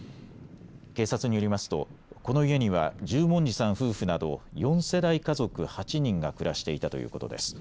警察によりますとこの家には十文字さん夫婦など４世代家族８人が暮らしていたということです。